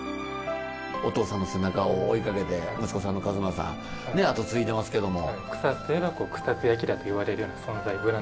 お父さんの背中を追いかけて息子さんの一真さん後継いでますけども。